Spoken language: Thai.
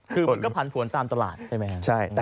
คือมันก็ผันผวนตามตลาดใช่ไหมครับ